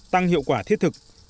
tăng hiệu quả thiết thực